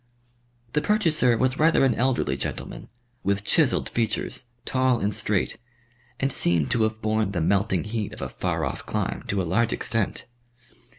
The purchaser was rather an elderly gentleman, with chiselled features, tall and straight, and seemed to have borne the melting heat of a far off clime to a large extent.